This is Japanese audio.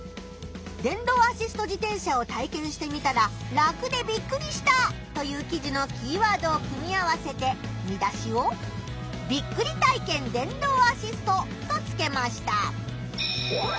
電動アシスト自転車を体験してみたら「楽でびっくりした」という記事のキーワードを組み合わせて見出しを「ビックリ体験電動アシスト」とつけました。